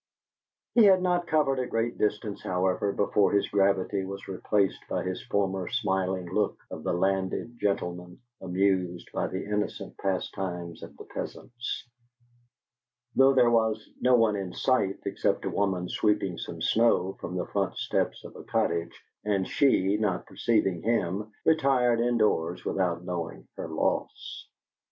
He had not covered a great distance, however, before his gravity was replaced by his former smiling look of the landed gentleman amused by the innocent pastimes of the peasants, though there was no one in sight except a woman sweeping some snow from the front steps of a cottage, and she, not perceiving him, retired in doors without knowing her loss.